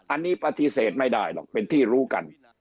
อันนี้ปฏิเสธไม่ได้หรอกเป็นที่รู้กัน